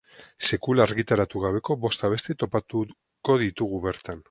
Sekula argitaratu gabeko bost abesti topatuko ditugu bertan.